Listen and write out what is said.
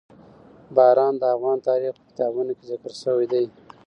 باران د افغان تاریخ په کتابونو کې ذکر شوي دي.